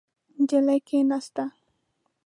نجلۍ کېناسته.